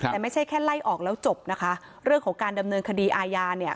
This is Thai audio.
แต่ไม่ใช่แค่ไล่ออกแล้วจบนะคะเรื่องของการดำเนินคดีอาญาเนี่ย